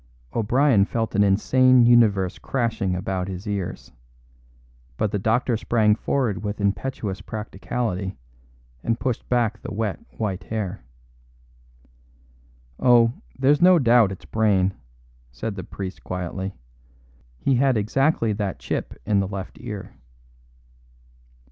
O'Brien felt an insane universe crashing about his ears; but the doctor sprang forward with impetuous practicality and pushed back the wet white hair. "Oh, there's no doubt it's Brayne," said the priest quietly. "He had exactly that chip in the left ear."